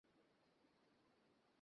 পাগল নাকি তুমি?